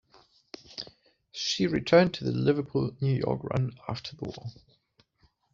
She returned to the Liverpool - New York run after the war.